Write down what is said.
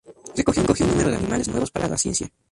Recogió un número de animales nuevos para la ciencia.